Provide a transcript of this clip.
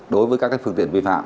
đối với các phương tiện vi phạm